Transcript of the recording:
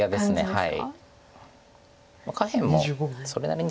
はい。